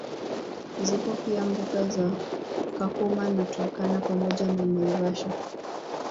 Zipo pia mbuga za Kakuma na Turkana pamoja na Naivasaha